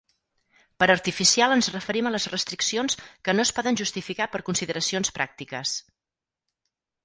Per artificial ens referim a les restriccions que no es poden justificar per consideracions pràctiques.